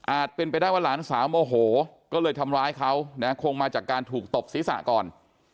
เป็นไปได้ว่าหลานสาวโมโหก็เลยทำร้ายเขานะคงมาจากการถูกตบศีรษะก่อน